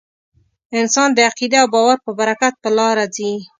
انسان د عقیدې او باور په برکت په لاره ځي.